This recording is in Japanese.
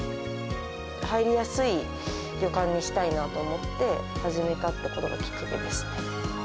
入りやすい旅館にしたいなと思って始めたってところがきっかけです。